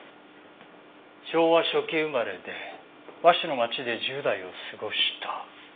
昭和初期生まれで和紙の町で１０代を過ごした。